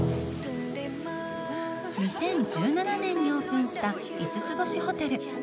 ２０１７年にオープンした五つ星ホテル。